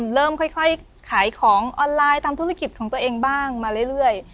เริ่มค่อยขายของออนไลน์ตามธุรกิจของตัวเองบ้างมาเรื่อย